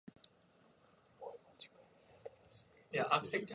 After she taught, herself to read though she was formerly illiterate.